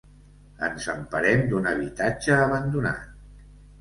Ens emparem d'un habitatge abandonat.